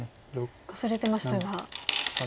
忘れてましたが。